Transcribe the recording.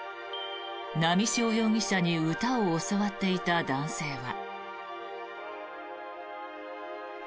波汐容疑者に歌を教わっていた男性は。